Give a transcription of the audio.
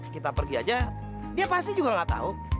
kita pergi aja dia pasti juga gak tau